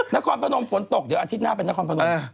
นาคอลเร่งประดมฝนตกเดี๋ยวอาทิตย์หน้าเป็นนาคอล